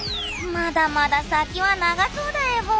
まだまだ先は長そうだエボ。